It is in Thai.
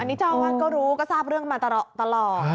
อันนี้เจ้าวันก็รู้ก็ทราบเรื่องมาตลอด